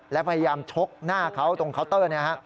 และพยายามชกหน้าเขาตรงเคาน์เตอร์